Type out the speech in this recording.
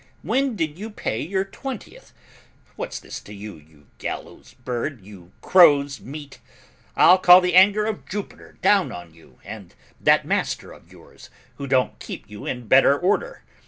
"When did you pay your twentieth? What's this to you, you gallows bird, you crow's meat? I'll call the anger of Jupiter down on you and that master of yours, who don't keep you in better order.